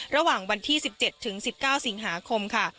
ระหว่างวันที่๑๗ถึง๑๙สิงหาคมค่ะ